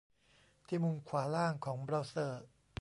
ที่มุมขวาล่างของเบราว์เซอร์